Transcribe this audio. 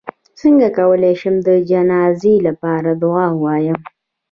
څنګه کولی شم د جنازې لپاره دعا ووایم